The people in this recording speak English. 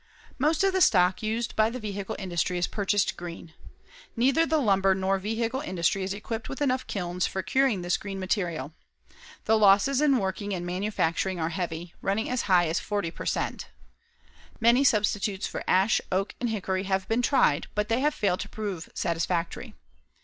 Most of the stock used by the vehicle industry is purchased green. Neither the lumber nor vehicle industry is equipped with enough kilns for curing this green material. The losses in working and manufacturing are heavy, running as high as 40 per cent. Many substitutes for ash, oak and hickory have been tried but they have failed to prove satisfactory.